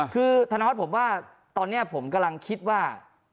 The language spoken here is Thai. คือธนาวัฒน์ผมว่าตอนนั้นผมกำลังคิดว่า